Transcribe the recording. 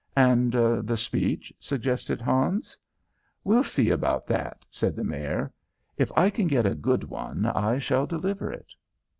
"And the speech?" suggested Hans. "We'll see about that," said the Mayor. "If I can get a good one, I shall deliver it."